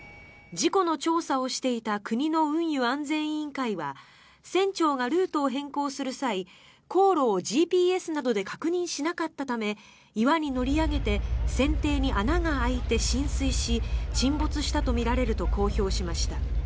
事故の調査をしていた国の運輸安全委員会は船長がルートを変更する際航路をＧＰＳなどで確認しなかったため岩に乗り上げて船底に穴が開いて浸水し沈没したとみられると公表しました。